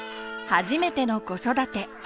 初めての子育て。